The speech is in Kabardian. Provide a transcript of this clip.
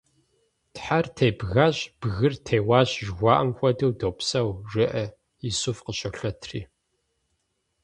Тхьэр тебгащ, бгыр теуащ, жыхуаӀэм хуэдэу допсэу, – жеӀэ Исуф къыщолъэтри.